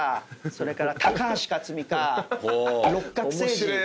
それから高橋克実か六角精児。